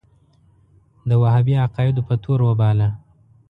د وهابي عقایدو په تور وباله.